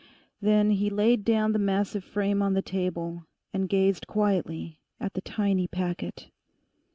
Then he laid down the massive frame on the table, and gazed quietly at the tiny packet.